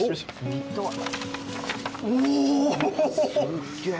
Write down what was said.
すっげえ。